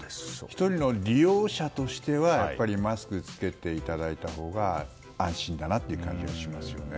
１人の利用者としてはやっぱりマスクを着けていただいたほうが安心だなっていう感じがしますよね。